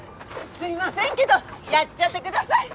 すいませんけどやっちゃってください。